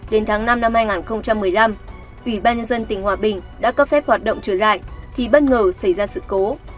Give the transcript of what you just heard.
đến tháng năm năm hai nghìn một mươi năm ủy ban nhân dân tỉnh hòa bình đã cấp phép hoạt động trở lại thì bất ngờ xảy ra sự cố